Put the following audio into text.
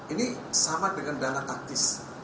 ini sama dengan dana taktis